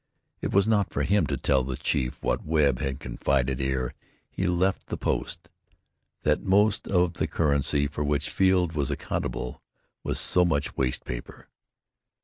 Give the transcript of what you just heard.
It was not for him to tell the chief what Webb had confided ere he left the post that most of the currency for which Field was accountable was so much waste paper.